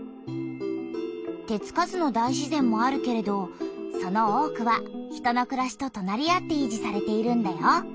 手つかずの大自然もあるけれどその多くは人のくらしととなり合っていじされているんだよ。